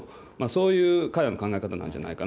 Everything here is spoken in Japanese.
そういう彼らの考え方なんじゃな